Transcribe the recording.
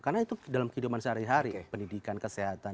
karena itu dalam kehidupan sehari hari pendidikan kesehatan